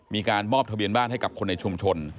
มีการมอบทะเบียนบ้านให้กับคนในชุมชน